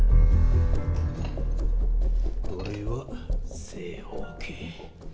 これは正方形。